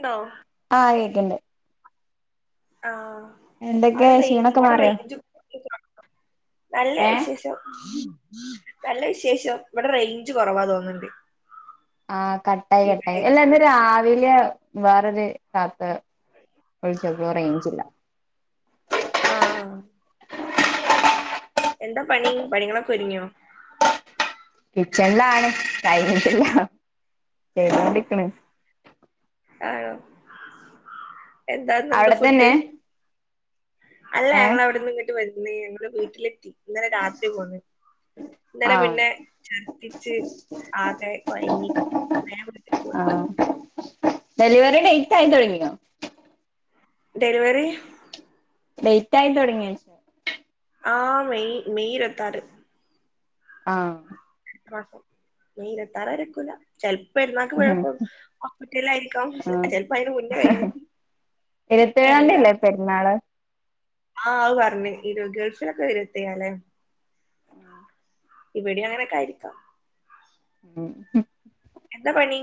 ണ്ടോ ആഹ് യേക്ണ്ട് ആഹ് എന്തൊക്കെ അവടെ റൈ ക്ഷീണൊക്കെ ഇവടെ മാറിയോ റൈഞ്ചും നല്ല ഏഹ് വിശേഷം നല്ല വിശേഷം ഇവടെ റൈഞ്ച് കൊറവാ തോന്ന്ണ്ട് ആഹ് കട്ടായി കട്ടായി എല്ല രവിലെ വേറൊരു തത്ത വിൾച്ചപ്പോ റൈഞ്ചില്ല ആഹ് എന്താ പണി പണികളോക്കൊരുങ്ങ്യോ കിച്ചൺലാണ് കൈഞ്ഞിട്ടില്ല ചെയ്തോണ്ടിര്ക്ക്ണ് ആണോ എന്താന്നന്താ അവിടെ ഫുഡ് തന്നെ അല്ല ഏഹ് ഞങ്ങള് അവട്ന്ന് ഇങ്ങോട്ട് വന്നീ നി. ഞങ്ങള് വീട്ടിലെത്തി. ഇന്നലെ രാത്രി പോന്ന്. ഇന്നലെ ആഹ് പിന്നെ ചർദിച്ച് ആകെ കൊയ്‌ങ്ങി. ആഹ് ഡെലിവറി ഡേയ്റ്റായി തൊടങ്ങ്യാെ. ഡെലിവറി ഡെയ്റ്റയി തൊടങ്ങ്യാേയ്ച്. ആ മെയ് മെയ് ഇരുപത്താറ്. ആ അ മെയ് ഇരുത്താറ് വരെ നിക്കൂല. ചെൽപ്പം പെരുന്നാക്ക് ഉം മുയ് വൻ ഹോസ്പിറ്റലിലായിരിക്കാം. ചെൽപ്പോ അയിന് മുന്നെ കൈയ്യും. ഇരുപതേയാന്ത്യല്ലെ പെരുന്നാള്. ആഹ് അഹ് പറഞ്. ഇ ഗൾഫിലൊക്കെ ഇരുവത്തേയാല്ലെ ഇവടി അങ്ങനെക്കെ അയിരിക്കാം. ഉം എന്താ പണി.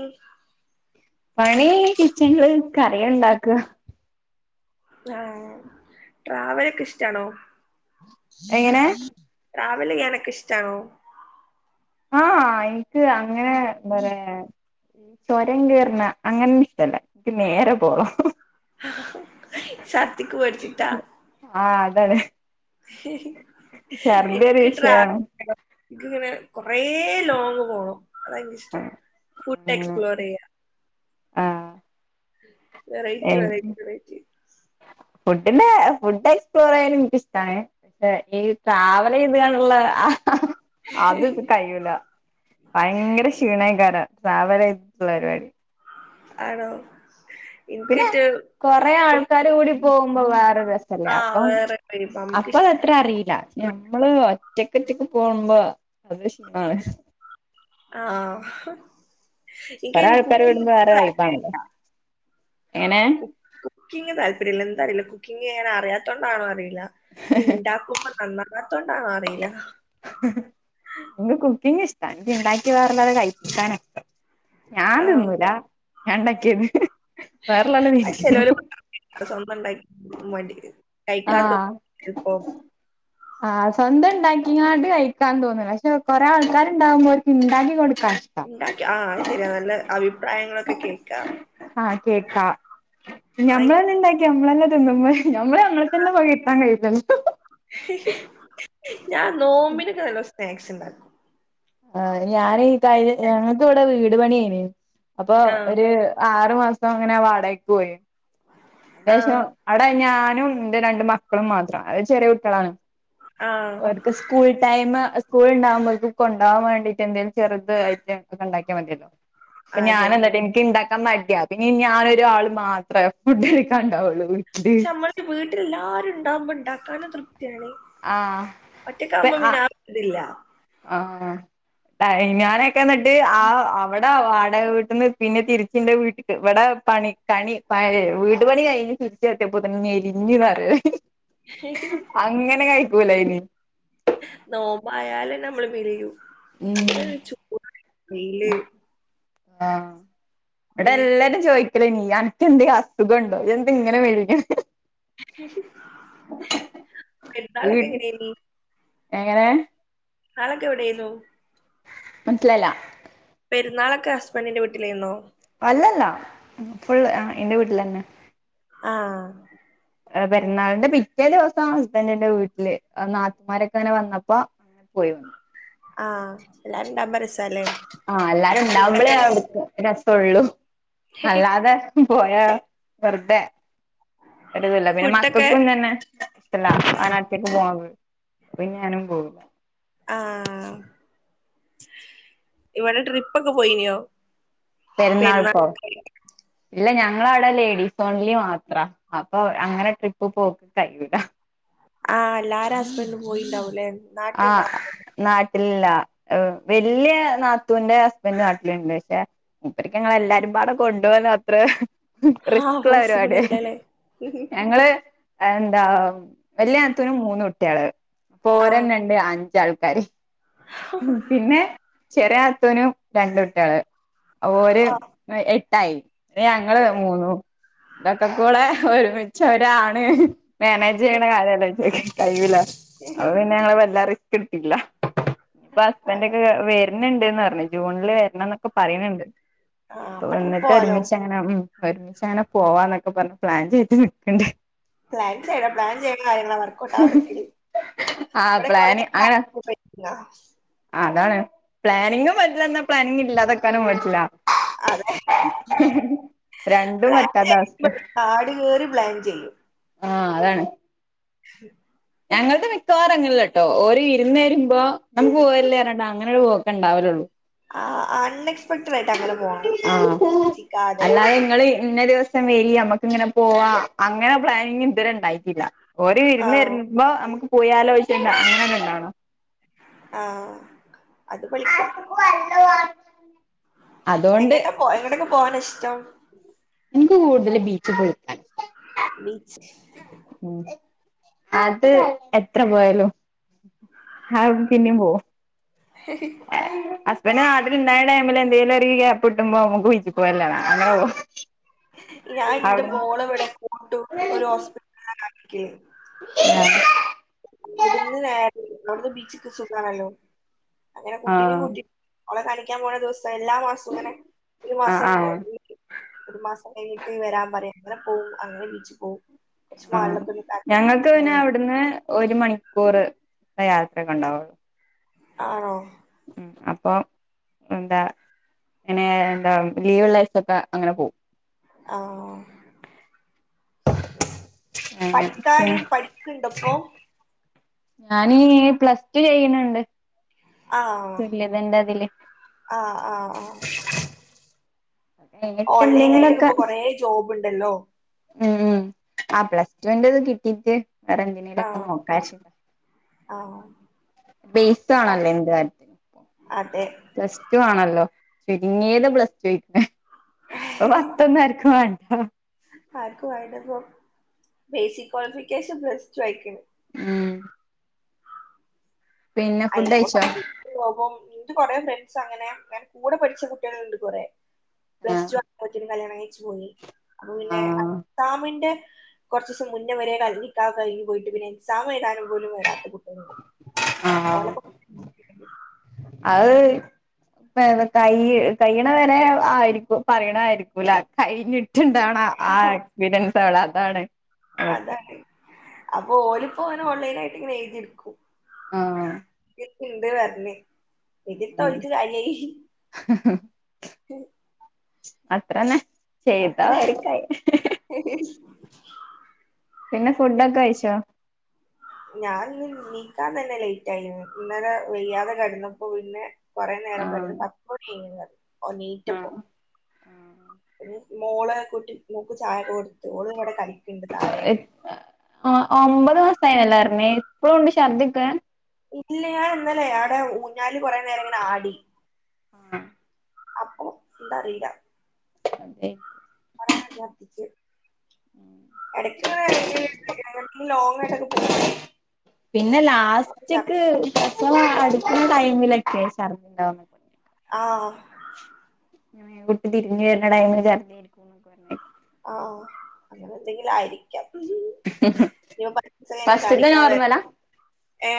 പണി കിച്ചൺല് കറിയുണ്ടാക്ക. ആഹ് ട്രാവലോക്കെ ഇഷ്ടാണൊ. എങ്ങനെ ട്രാവല് ചെയ്യാനോക്കെ ഇഷ്ടാണൊ. ആഹ് എനിക്ക് അങ്ങനെ ചൊരം കേർന്ന അങ്ങനെന്നുഷ്ടല്ല. ഇൻക്ക് നേരെ പോണം. ച്ചർത്തിക്ക് പേഠിച്ചിട്ടാ. ആഹ് അതാണ്. ഛർദി ഒരു ഇൻക്ക് ട്രാ വിഷയാണ് ഇൻക്ക് ഇങ്ങനെ കൊറേ ലോങ് പോണം. അത ഇൻക്കിഷ്ടം. ആഹ് ഫുഡ് അങ്ങനെ എക്സ്പ്ലോർ ചെയ്യ ആഹ്. വെറൈറ്റി, ഏഹ് വെറൈറ്റി, വെറൈറ്റി ഫുഡിന്റെ ഫുഡ് എക്സ്പ്ലോറെയ്യാൻ ഇനക്കിഷ്ടാണ്. പക്ഷെ ഈ ട്രാവല് ചെയ്ത്ക്കാണ്ടുള്ള ആഹ്. അത് കയ്യൂല്ല. ഭയങ്കര ക്ഷീണേക്കാരം. ട്രാവൽ ചെയ്ത്ട്ട്ള്ള പരിവാടി. ആണോ പിന്നെ ഇൻക്കിറ്റ് കൊറേ ആൾക്കാര് കൂടി പോവുമ്പൊ വേറൊരു രസല്ലെ ആഹ് അപ്പം വേറെ അപ്പൊ നമുക്കിഷ്ട അത്ര അറീല്ല. ഞമ്മള് ഒറ്റക്ക് ഒറ്റക്ക് പോവമ്പൊ അത് ക്ഷീണാണ്. ആഹ് കൊറേ ഇൻക്കയ്ന് ആൾക്കാര് കൂടുമ്പോ കുക്കിംഗിനോട് വേറെ വൈബാണല്ലോ താത്പര്യല്ല. എങ്ങനെ കുക്കിങ് താല്പര്യല്ല. എന്താറീല്ല കുക്കിംഗ് ഇങ്ങനെ അറിയാത്തോണ്ടാണോ അറിയില്ല ഇഞ് ഇണ്ടാക്കുമ്പ നന്നാവാത്തോണ്ടാണോ അറീല്ല. ഇൻക്ക് കുക്കിങ് ഇഷ്ട. എനിക്ക് ഇണ്ടാക്കി വേറൊള്ളോരെ കഴിക്കാനൊ. ഞാന് ആഹ് തിന്നൂല ഞാൻ ഇണ്ടാക്ക്യേത്. വേറെള്ളോലെ തീറ്റിക്കും. അത് സ്വന്തണ്ടാക്കി [unintelligible] ആഹ് ആഹ് സ്വന്തം ഇണ്ടാക്കിങ്ങാട്ട് കഴിക്കാൻ തോന്ന്ണ്. പക്ഷെ കൊറേ ആൾക്കാര്ണ്ടാവുമ്പോ ഓർക്ക് ഇണ്ടാക്കി കൊടുക്കാന് ഇണ്ടാക്കി ആഹ് ശെരിയാ. നല്ല അഭിപ്രായങ്ങളൊക്കെ കേക്കാം. ആഹ് കേക്കാ. ഞമ്മളന്നെ ഇണ്ടാക്കി നമ്മളന്നെ തിന്നുമ്പൊ ഞമ്മള് ഞമ്മളെ ഇതന്നെ പൊകയ് ത്താൻ കഴില്ലല്ലൊ ഞാൻ നോമ്പിനൊക്കെ നല്ലോ സ്നാക്സ് ഇണ്ടാക്കും ആഹ് ഞാനീ കഴിഞ്ഞ ഞങ്ങക്കിവിടെ വീട് പണിയാന് അപ്പൊ ആഹ് ഒരു ആറ് മാസം ഇങ്ങനെ വാടകക്ക് പോയി അയിനേശം ആഹ് അവിടെ ഞാനും ഇന്റെ രണ്ട് മക്കളും മാത്ര അത് ചെറിയ കുട്ടികളാണ് ആഹ് അവർക്ക് സ്കൂൾ ടൈം സ്കൂൾ ഇണ്ടാവുമ്പഴേക്കും കൊണ്ടാവാൻ വേണ്ടീട്ട് എന്തേലും ചെറുതായിട്ട് ഒണ്ടാക്കിയാ മതിയല്ലോ അപ്പൊ അതെ ഞാനെന്നിട്ട് ഇനിക്ക് ഇണ്ടാക്കാൻ മടിയ പിന്നെ ഞാനൊരു ആള് മാത്രെ ഫുഡ് കഴിക്കാണ്ടാവൊള്ളൂ പക്ഷെ നമ്മള് വീട്ടിലെല്ലാരും ഇണ്ടാവുമ്പൊ ഇണ്ടാക്കാനും തൃപ്തിയാണ് ആഹ് ഒറ്റക്കാവുമ്പ പിന്നെ ആ ഇതില്ല ആഹ് ഞാനൊക്കെ എന്നിട്ട് ആഹ് അവ ടാ വാടക വീട്ട്ന്ന് പിന്നെ തിരിച്ചിന്റെ വീട്ടക്ക് ഇവിടെ പണി കണി വീട് പണി കഴിഞ്ഞ് ചെത്തിയപ്പൊതേന് മെലിഞ്ഞു പറയ് അങ്ങനെ കഴിക്കൂലായിനി നോമ്പായാലന്നെ നമ്മള് മെലിയു ഉം അന്ന് ചൂട് വെയില് ആഹ് ഇവിടെ പിന്നെ എല്ലാരും ചോയ് ലേനി അനക്കെന്തേലു അസുഖൂണ്ടോ എന്ത ഇങ്ങനെ മെലിഞ്ഞെ വീ പെരുന്നാളൊക്കെ എങ്ങനേനി എങ്ങനെ പെരുന്നാളൊക്കെ എവിടെയാന്നു മനസ്സിലായില്ല പെരുന്നാളൊക്കെ ഹസ്ബൻഡിന്റെ വീട്ടിലേന്നോ അല്ലല്ല ഫുള്ള് ആഹ് എന്റെ വീട്ടിലന്നെ ആഹ് പെരുന്നാളിന്റെ പിറ്റേ ദിവസം ഹസ്ബൻഡിന്റെ വീട്ടില് അന്ന് നാത്തുമാരെക്കെ ഇങ്ങനെ വന്നപ്പോ പോയ് വന്നു ആഹ് എല്ലാരുണ്ടാവുമ്പോ രസ ആഹ് എല്ലാരും ഇണ്ടാവുമ്പളേ അവിര്ക്ക് രസൊള്ളു അല്ലാതെ പോയ വെറ്തെ ഒരിത്ല്ല പിന്നെ ഫുഡൊക്കെ മക്കക്കു തന്നെ ഇഷ്ടല്ല അങ്ങനൊറ്റക്ക് പോവന്നത് പിന്നെ ഞാനും പോവൂല്ല ആഹ് ഇവിടെ ട്രിപ്പൊക്കെ പോയിനോ പെരുന്നാൾക്കൊ ഇല്ല ഞങ്ങളവിടെ ലേഡീസ് ഓൺലി മാത്ര അപ്പൊ അങ്ങനെ ട്രിപ്പ് പോക്ക് കയ്യൂല ആഹ് എല്ലാര ഹസ്ബന്റും പോയിണ്ടാവുലെ ആഹ് നാട്ടിലില്ല വല്യ യ നാത്തുന്റെ ഹസ്ബൻഡ് നാട്ടിലുണ്ട് പക്ഷെ മൂപ്പർക്ക് ഞങ്ങളെ എല്ലാരും പാടെ കൊണ്ടു പോകാ അത്ര ആഹ് റിസ്ക്ള്ള പോസിബിൾ പരിപാടിയ അല്ലല്ലേ ഞങൾ എന്താ വല്യ നാത്തന് മൂന്ന് കുട്ടികള് ആഹ് അപ്പൊരന്നണ്ട് അഞ്ചാൾക്കാര് പിന്നെ ചെറിയ നാത്തന് രണ്ടുട്ടികള് ഒര് എട്ടായി പിന്നെ ഞങ്ങള് അതെ മൂന്നു ഇതൊക്കെക്കൂടെ ഒരുമിച്ചൊരാണ് മാനേജ് ചെയ്യണ കാര്യ അലൊയിച്ചൊക്കി കഴിയൂല അപ്പ പിന്നെ വേണം ഞങ്ങള് വല്ല റിസ്ക് ഇട്ത്തില്ല ഇപ്പ ഹസ്ബൻഡ് ആഹ് ഒക്കെ ന്ന് ണ്ട്ന്ന് പറഞ്ഞേ ജൂണില് വരണെന്നേക്കെ പറയണ് ണ്ട് പ്പോ അപ്പൊ ട്രിപ്പ് വന്നിട്ട് പോവാലോ ഒരുമിച്ചങ്ങ അങ്ങനെ പ്പം ഒരുമിച്ചാങ്ങനെ പോവാന്നൊക്കെ പറഞ്ഞ് പ്ലാൻ ചെയ്ട്ട് നിക്കണ്ട് പ്ലാൻ ചെയ്ണം പ്ലാൻ ചെയ്ണ കാര്യങ്ങള താണ് [unintelligible] ആ ഇവിടെ കൊറെ പ്ലാന് കാര്യ [unintelligible] ആ അതാണ് പ്ലാനിങ്ങും പറഞ്ഞ് നിന്നാ പ്ലാനിങ് ഇല്ലാതാക്കാനും പറ്റില്ല അതെ രണ്ടും പറ്റാത്ത പ്ലാൻ അവസ്ഥ ആടി ഇവര് പ്ലാൻ ചെയ്യും ആഹ് അതാണ് ശ ഞങ്ങൾത് മിക്കവാറുംങ്ങനല്ലട്ടോ ഓരോ ഇരുന്ന് വരുമ്പോ നമുക്ക് പോല്ലേറണ്ടാ അങ്ങനെ ഒരു പോക്കുണ്ടാവലുള്ളൂ ആഹ് അൺഎക്സ്പെക്ടഡ് ആയിട്ട് അങ്ങനെ പോണം [unintelligible] ക്കാതെ നിങ്ങള് ഇന്ന ദിവസം വരി നമ്മക്ക ഇങ്ങനെ പോവാ അങ്ങനെ പ്ലാനിങ് ഇതുവരെ ഉണ്ടായിട്ടില്ല ഓര് ഇരുന്ന് ആഹ് ഇരുന്ന് ഇപ്പോ നമുക്ക് പോയാലോശ്യുണ്ട അങ്ങനെന്നെ ഉണ്ടാണോ ആഹ് അത് പൊളിക്കും [inaudible] അതുകൊണ്ട് എങ്ങട്ട പോ എങ്ങട്ടൊക്കെ പോകാന ഇഷ്ടം എനിക്ക് കൂടുതൽ ബീച്ച് പോയി ബീച്ച് ഉം അത് എത്ര പോയാലോ ആഹ് പിന്നെയും പോകും ഉം ഹസ്ബനൻ്റ് നാട്ടില് ഇണ്ടായ ടൈമില് എന്തെങ്കിലും ഒരു ഗ്യാപ്പ് ഇട്ടുമ്പോ നമുക്ക് ബീച്ചി പോയലോന്നാ അങ്ങനെ പോകും ഞാൻ എന്റെ മോളെ ഇവിടെ കൊണ്ടു ഒരു ഹോസ്പിറ്റല കാണിക്കേ ആഹ് ഇവിടുന്ന് നേരെ അവിടുന്ന് ബീച്ചക്ക് സുഖാണല്ലോ അങ്ങനെ കുട്ടും ആഹ് കുട്ടി അവടെ കണിക്കാൻ പോണ ദിവസം എല്ലാ മാസവും ഇങ്ങനെ ഒരു ആഹ് മാസം ആഹ് ഒരു മാസം കഴിഞ്ഞിട്ട് വരാൻ പറയും അങ്ങനെ പോവും അങ്ങനെ ബീച്ച് പോകവും ആഹ് ഞങ്ങൾക്ക് പിന്നെ അവിടുന്ന് ഒരു മണിക്കൂറ് യാത്രക്കെ ഉണ്ടാവുള്ളൂ ആണോ ഉം അപ്പൊ എന്താ ഇങ്ങനെ എന്താ ലീവ്ള്ള ദിസൊക്കെ അങ്ങനെ പോവും. ആഹ് അങ്ങനെ പഠിക്കാനും പഠി ക്കെ ഇണ്ടപ്പോ ഞാനീ പ്ലസ് ടു ചെയ്യണണ്ട് ആഹ് തുല്യതന്റെ അതില് ആഹ് ആഹ് കഴിഞ്ഞിട്ട് ഓൺലൈൻ ആയിട്ടൊക്കെ എന്തെങ്കിലൊക്കെ ഇപ്പൊ കൊറേ ജോബ് ഉണ്ടല്ലോ ഉം ഉം ആഹ് പ്ലസ്ടുന്റെത് കിട്ടീട്ട് വേറെ എന്തെലുംക്കെ ആഹ് നോക്കാൻ ആഹ് ബേസ് ഓ ആണല്ലോ എന്ത് കാര്യത്തിന് അതെ പ്ലസ് ടു ആണല്ലോ ചുരുങ്ങിത് പ്ലസ് ടു ക്കെ ഇപ്പൊ പത്തൊന്നരക്കും വേണ്ട ആർക്കും വേണ്ടപ്പ ബേസിക് ക്വാളിഫിക്കേഷൻ പ്ലസ് ടു ആയിക്കണ് ഉം പിന്നെ ഫുഡ് അയിനിപ്പ കഴിച്ചോ [unintelligible] പോകോം ഇവിടെ കൊറ ഫ്രണ്ട്സാ അങ്ങനെ ഞാൻ കൂടെ പഠിച്ച കുട്ടികളുണ്ട് കൊറ പ്ലസ് ആഹ് ടു ആക്കുംബോതിനു കല്യാണം കഴിച്ചു പോയി അപ്പൊ പിന്നെ ആഹ് എക്സാംമിന്റെ കുറച്ചീസം മുന്ന വരെ ക നിക്കാഹ് കഴിഞ്ഞിട്ട് പോയിട്ട് പിന്നെ എക്സാം എഴുതാനും പോലും വരാത്ത കുട്ടികളു ണ്ട് ഓല ആഹ് പ്പൊ അത് കൈ കയ്യ്ണ വരെ ആയിരിക്കും പറയണയിരിക്കൂല കഴിഞ്ഞിട്ട് റ്റ് ണ്ടാവണ ആ എക്സ്പീരിയൻസ്ള അതാണ് അവൾക്ക് അതാണ് അപ്പൊ ഓലിപ്പോ ഓൺലൈൻ ആയിട്ട്ങ്ങനെ എഴുതിട്ക്കും ആഹ് ണ്ട് പറഞ്ഞ് ഇതിത ഉം ഓല്ക് കാര്യായി അത്രന്നെ ചെയ്താ അവർക്കായി ഹ് ഹ് പിന്നെ ഫുഡൊക്കെ കഴിച്ചോ? ഞാൻ ഇന്ന് നീക്കാൻ തന്നെ ലേറ്റ് ആയി ഇന്നലെ വെയ്യാതെ കടന്നപ്പോ പിന്നെ കൊറെ നേരം കടന്ന് ആഹ് പത്ത് മണിയ്ക്ക്ണ് ഓ നീറ്റപ്പോ ആഹ് പിന്നെ മോളെ കുട്ടി മോക്ക് ചായ കൊടുത്ത് ഓളവടെ കളിക്ണ്ട് തായെ ആ ഒമ്പത് മാസായിന്നല്ലെർഞ്ഞെ ഇപ്പളും ണ്ട് ശർദ്ധി ഒകെ? ഇല്ല ഞൻ ഇന്നല്ലെ അടെ ഊഞ്ഞാല് കുറെ നേരം ഇങ്ങനെ ആടി. ആഹ് അപ്പൊ എന്താറീല അത കൊറേ ആണ്ട് ഛർദിച്ച് എടയ്ക്ക്ങ്ങനെ അയ്ന ലോങ്ങ് ആയിട്ടൊക്കെ പോവോല്ലോ പിന്നെ ലാസ്റ്റ്ക്ക് പ്രസവം അടുക്ക്‌ന്ന ടൈമിലൊക്കെ ശർദി ഇണ്ടാവു.. ആഹ് ഇങ്ങനെ കുട്ടി തിരിഞ്ഞ് വര്ണ ടൈമില് ചർദി പറഞ്ഞ [unintelligible] ആഹ് അങ്ങനെ എന്തെങ്കിലും ആയിരിക്കാം. ഇനി പ [unintelligible] കൈന ഫസ്റ്റ്ത്തെ കാണിക്കാ വരാ ഏ..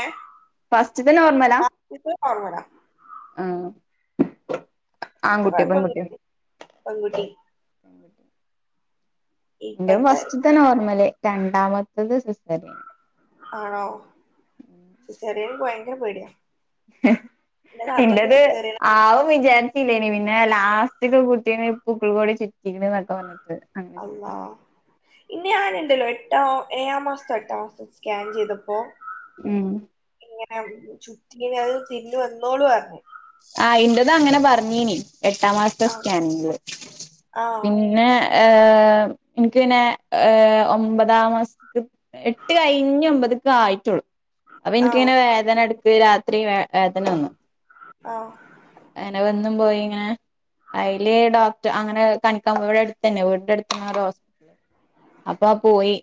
ഫസ്റ്റ്തെ നോർമലാ ആഹ്. ത് ആൺകുട്ടിയോ പെൺകുട്ടിയോ കൊയപ്പൊന്നുല്ല പങ്കുട്ടി ന്റെ ഇപ്പത്തെ ഫസ്റ്റ്ത്തെ നോർമല് രണ്ടാമത്തത് സിസേറിയൻ ആണോ സിസേറിയൻ ൻക്ക്‌ ഭയങ്കര പേടിയാ എന്റെ നാത്തൂന്റെ ഇന്റത് സിസേറിയൻ ആവും വിചാരിചില്ലേനി പിന്നെ ലാസ്റ്റോക്കെ കുട്ടി നെ പുക്ക്‌ൾ കൊടി ചുറ്റിക്ണ് എന്നൊക്കെ പറഞ്ഞട്ട് അള്ളാഹ് ഇന്ന് ഞാൻ ഇണ്ടല്ലോ എട്ടാം ഏഴാം മാസത്തോ എട്ടാം മാസോ സ്കാൻ ചെയ്തപ്പോ. ഉം ഇങ്ങനെ ചുറ്റീന് അത് തിരിന്ഞ് വന്നോളു പറഞ്ഞു ആ ഇന്റത് അങ്ങനെ പറഞ്ഞീനി എട്ടാം മാസത്തെ ആ സ്കാനിങ്ല് ആഹ് പിന്നെ ഏഹ് ഇൻക്ക് പിന്നെ ഏ ഒമ്പതാം മാസതെ. എട്ട് കഴിഞ് ഒമ്പത്ക്കായിട്ടൊള്ളൂ അപ്പൊ ആഹ് ഇന്ക്കിങ്ങനെ വേദന എടക്ക്‌ രാത്രി വേ വേദന വന്നു ആഹ് അങ്ങനെ വന്നും പോയിങ്ങ അയില് ഡോക്ടർ അങ്ങനെ കണിക്കാപോയി ഇവിടെ അടുത്തന്നെവീടിന്റെ അടുത്തന്നെ ഒരോ ഹോസ് അപ്പാ പോയി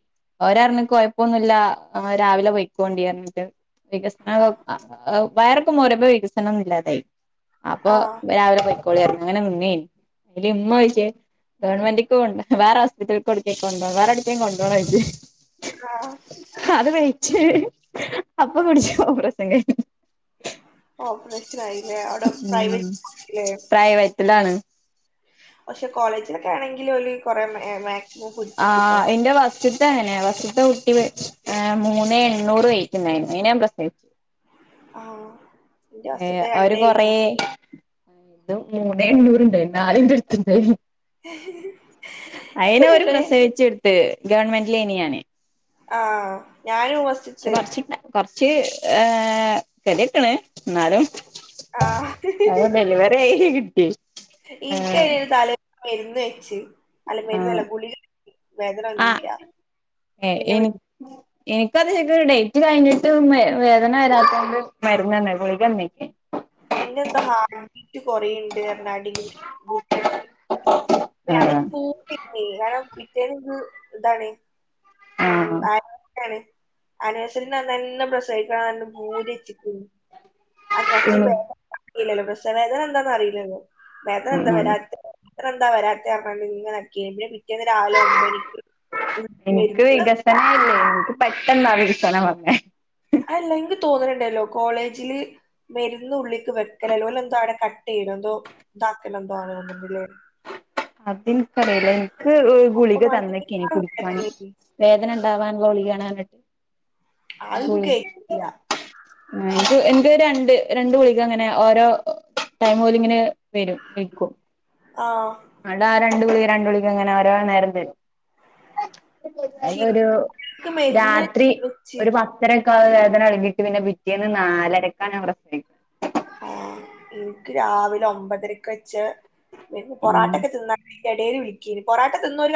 ഓര് പറഞ്ഞ് കൊഴപ്പൊന്നുല്ല രാവിലെ പോയിക്കോണ്ടിയറഞ്ഞിട്ട് വികസന ആഹ് ഏ വയറൊക്കെ മോറിയപ്പോ വികസനൊന്നുംല്ലാതായി അപ്പൊ ആഹ് രാവിലെ പൊയ്ക്കോളിറഞ്ഞു അങ്ങനെ ഇമ്മേം അയ്ല് ഇമ്മ ഓയ്ച്ച് ഗവൺമെന്റിക്കും ഉണ്ട് വേറെ ഹോസ്പിറ്റല്ക്ക് വേറെ എവിടേക്കും കൊണ്ടപോണോ ചോയ്ച്ചു ആഹ് അത് വിറ്റ് അപ്പം പിടിച്ച് [unintelligible] ഓ പ്രശ്നായില്ലേ അവിടെ പ്രൈവറ്റ്ല്ലേ റ്റിലാണ് പക്ഷെ കോളേജിലൊക്കെ ആണെങ്കിലും ഒരു കുറേ മേ ആഹ് എന്റെ ഫസ് സ്റ്റത്തെ അങ്ങനെയാ വസ്‌റ്റത്തെ കുട്ടി ഏ മൂന്ന് എണ്ണൂറ് വെയ്റ്റ് ഇണ്ടായിരുന്നു അതിനേ ഞാൻ പ്രസവിച്ചു ആഹ് എന്റെ ഏഹ് ഫസ്റ്റ്ത്തെ അവര് രണ്ടേ കൊറെ ഇരുന്നൂറ്റി ഇത് മൂന്നേ എണ്ണൂറുണ്ട് നാലിന്റെ അടുത്തുണ്ട് അയിനെ ഓരു ഇപ്പണ്ടല്ലോ പ്രസവിച്ചെടുത്ത് ഗവൺമെന്റിലായിന് ഞാന് ആഹ് ഞാനും വസ്റ്റിത്ത് പക്ഷെ കൊറച്ച് കൊറച്ച് ഏഹ് [unintelligible] ക്കണ് എന്നാലും ആഹ് അത് ഡെലിവറി കിട്ടി ഇനിക്ക് ആഹ് അവരു തലേന്ന് മരുന്നു വെച്ച് അല്ല മരുന്നല്ല ഗുളിക വേദന വന്നില്ല പിന്നെ ഉം എനിക്കത് ഇത് ഡേറ്റ് കഴിഞ്ഞിട്ടും വേ വേദന വരാത്തോണ്ട് മരുന്ന് തന്നെ ഗുളിക തന്നേക്ക് പിന്നെ എന്താ ഹാർഡ് ബീറ്റ് കൊറെയുണ്ട് അടിയില് ഗുളിക വെച്ച് [unintelligible] ആഹ് കാരണം പിറ്റേന്ന് ഇത് എന്താണ് ഓ ആഹ് ആ ക്കാണ് അനസ്ത്യേഷ്യ തന്നന്നെ പ്രസവിക്കണമെന്ന് പറഞ്ഞന്നേ ഭൂതി വെച്ചേക്കുന്ന് അതാ ല്ലോ പക്ഷെ ഉം എനിക്ക് വേദന തുടങ്ങിയില്ലലോ പ്രസവ വേദന എന്താന്ന് അറിയില്ലല്ലോ വേദന ഉം എന്താ ഉം വരാത്തെ വേദന എന്താ വരാത്തെഎന്ന് പറഞ്ഞു ഇങ്ങനെ നിക്കാ പിന്നെ പിറ്റേന്ന് രാവിലെ ഒമ്പതു മണിക്ക് എനിക്ക് വികസനം ഇല്ലേ എനിക്ക് പെട്ടെന്നാ വികസനം വന്നേ അല്ല എനിക്ക് തോന്നണിസല്ലല്ലോ കോളേജില് മരുന്ന്ള്ളിക്ക് വെക്കലല്ല ഓന് എന്തോ അവിടെ കട്ട് ചെയ്ത് എന്തോ ഇതാക്കലെന്തോ ആണ് പറഞ്ഞിട്ടില്ലേ അതെനിക്കറിയൂല എനിക്ക് ഓ അപ്പൊ ഗുളിക നല്ല തന്നേക്കാണ് കുടിക്കാന് വേദനയായി. വേദന ഇണ്ടാവാനുള്ള ഗുളിക ആണ് പറഞ്ഞിട്ട് അത് എനിക്ക് ഏറ്റില്ല ആഹ് എനിക്ക് എനിക്ക് രണ്ട് രണ്ട് ഗുളിക അങ്ങനെ ഓരോ ടൈം ഓല് ഇങ്ങനെ തരും വെക്കും ആഹ് എന്നിട്ട് ആഹ് രണ്ട് ഗുളിക രണ്ടു ഗുളിക ഇങ്ങനെ ഒരോ നേരം തരും പക്ഷെ അതിന് ഒരു എനിക്ക് മരുന്ന് രാത്രി വെച്ച് ഒരു പത്ത് ത്തരക്ക്‌ ആഹ് വേദന തുടങ്ങിയിട്ട് പിന്നെ പിറ്റേന്ന് നാലരക്കാണ് ഞാൻ പ്രസവിക്കുന്ന ആഹ് എനിക്ക് രാവിലെ ഒമ്പതരക്ക് വെച്ച് പിന്നെ ഉം പൊറാട്ടൊക്കെ തിന്നാ തിന്റെ ഇടേൽ വിളിക്കായിരുന്നു പൊറാട്ട തിന്നൂലാ